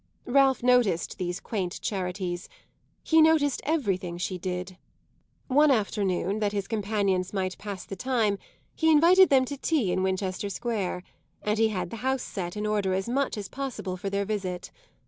Ralph noticed these quaint charities; he noticed everything she did. One afternoon, that his companions might pass the time, he invited them to tea in Winchester Square, and he had the house set in order as much as possible for their visit.